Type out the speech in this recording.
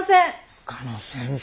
深野先生